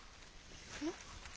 えっ？